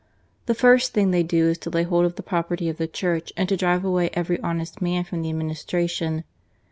The first thing they do is to lay hold of the property of the Church and to drive away every honest man from the Administration.